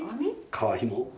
革ひも。